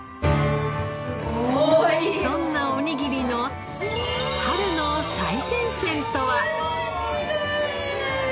そんなおにぎりの春の最前線とは？